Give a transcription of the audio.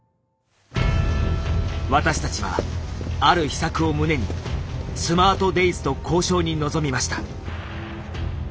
私たちはある秘策を胸にスマートデイズと交渉に臨みました。